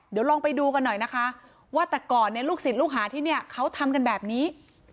เดี๋ยวลองไปดูกันหน่อยนะคะว่าแต่ก่อนเนี่ยลูกศิษย์ลูกหาที่เนี่ยเขาทำกันแบบนี้